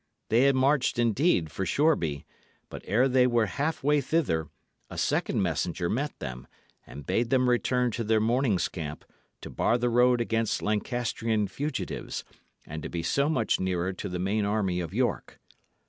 They had marched, indeed, for Shoreby; but ere they were half way thither, a second messenger met them, and bade them return to their morning's camp, to bar the road against Lancastrian fugitives, and to be so much nearer to the main army of York.